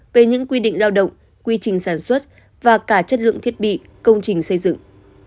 về những quy định lao động quy trình sản xuất và cả chất lượng thiết bị công trình xây dựng